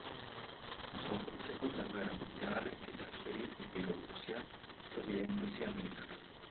Dopo la seconda guerra mondiale si trasferì in Bielorussia, stabilendosi a Minsk.